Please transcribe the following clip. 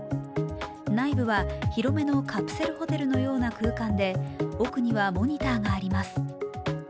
内部は広めのカプセルホテルのような空間で奥にはモニターがあります。